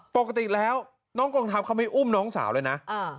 ปกติแล้วน้องกองทัพเขาไม่อุ้มน้องสาวเลยนะ